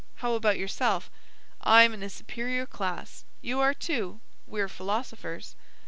How about yourself?" "I'm in a superior class. You are, too. We're philosophers."